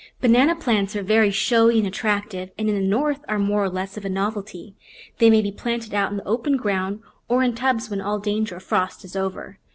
Banana plants are very showy and attractive and in the North are more or less of a novelty. They may be planted out in the open ground or in tubs when all danger of frost is over.